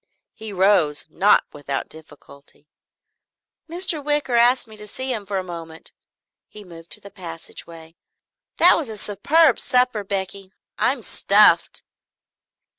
He rose, not without difficulty. "Mr. Wicker asked me to see him for a moment." He moved to the passageway. "That was a superb supper, Becky. I'm stuffed."